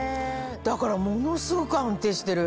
だからものすごく安定してる。